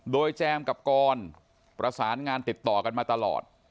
โดยแจมกับกรประสานงานติดต่อกันมาตลอด